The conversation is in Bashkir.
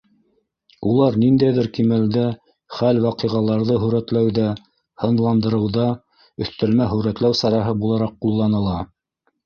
Улар ниндәйҙер кимәлдә хәл-ваҡиғаларҙы һүрәтләүҙә, һынландырыуҙа өҫтәлмә һүрәтләү сараһы булараҡ ҡулланыла.